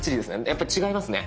やっぱり違いますね。